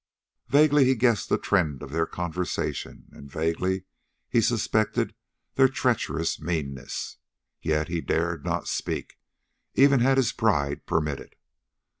Vaguely he guessed the trend of their conversation, and vaguely he suspected their treacherous meanness. Yet he dared not speak, even had his pride permitted.